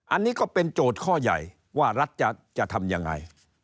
อันนี้ก็เป็นโจทย์ข้อใหญ่ว่ารัฐจะทำยังไง